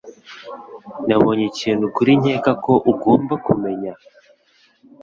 Nabonye ikintu kuri nkeka ko ugomba kumenya.